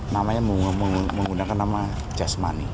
namanya menggunakan nama jasmani